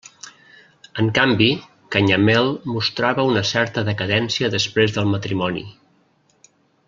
En canvi, Canyamel mostrava una certa decadència després del matrimoni.